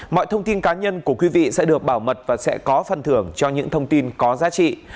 mọi thông tin cá nhân của quý vị sẽ được bảo mật và sẽ có phần thưởng cho những thông tin có giá trị